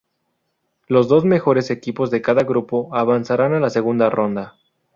Los dos mejores equipos de cada grupo avanzarán a la segunda ronda.